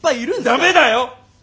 駄目だよ！